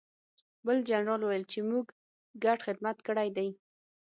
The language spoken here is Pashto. بل جنرال وویل چې موږ ګډ خدمت کړی دی